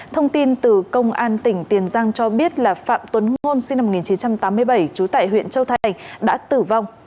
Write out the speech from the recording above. thông tin từ công an tỉnh tiền giang cho biết là phạm tuấn ngôn sinh năm một nghìn chín trăm tám mươi bảy trú tại huyện châu thành đã tử vong